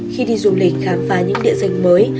khi đi du lịch khám phá những địa danh mới